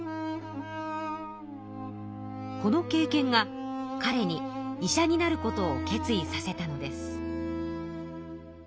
この経験がかれに医者になることを決意させたのです。